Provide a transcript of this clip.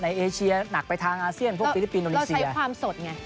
ในเอเชียหนักไปทางอาเซียนพวกธิริปินโอลิเซียเราใช้ความสดไงใช่